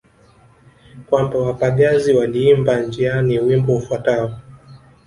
Kwamba wapagazi waliimba njiani wimbo ufuatao